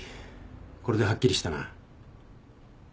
これではっきりしたな。